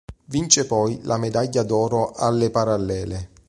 Vince poi la medaglia d'oro alle parallele.